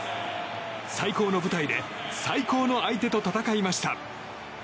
最高の舞台で最高の相手と戦いました。